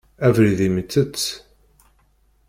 Abrid-im itett.